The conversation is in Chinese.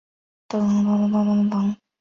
卑南雀麦为禾本科雀麦属下的一个种。